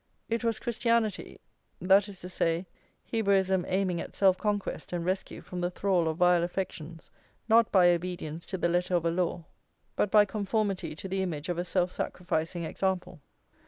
It was Christianity; that is to say, Hebraism aiming at self conquest and rescue from the thrall of vile affections, not by obedience to the letter of a law, but by conformity to the image of a self sacrificing example.